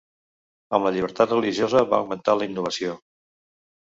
Amb la llibertat religiosa va augmentar la innovació.